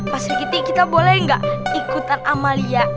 pasur kitih kita boleh nggak ikutan amalia